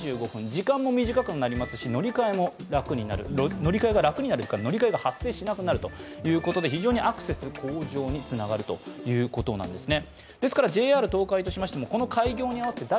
時間も短くなりますし乗り換えが発生しなくなるということで非常にアクセス向上につながるということなんですね。